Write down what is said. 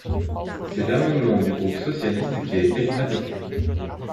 C’est l’amendement du groupe socialiste qui a été adopté.